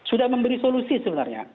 sudah memberi solusi sebenarnya